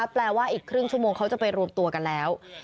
แปลว่าอีกครึ่งชั่วโมงเขาจะไปรวมตัวกันแล้ว